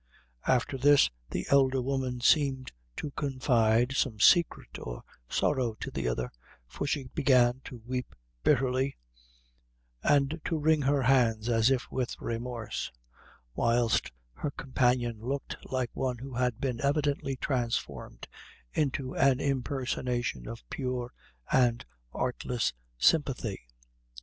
After this the elder woman seemed to confide some secret or sorrow to the other, for she began to weep bitterly, and to wring her hands as if with remorse, whilst her companion looked like one who had been evidently transformed into an impersonation of pure and artless sympathy.